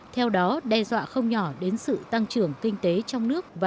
theo đó đe dọa không nhỏ đến sự tăng trưởng kinh tế trong nước và